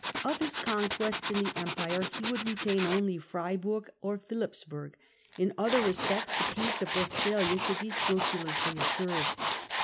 Of his conquests in the Empire he would retain alone Freiburg or Philippsburg ; in other respects the Peace of Westphalia should be scrupulously observed.